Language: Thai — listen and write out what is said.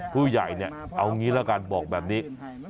ผู้ใหญ่เนี่ยเอางี้ละกันบอกแบบนี้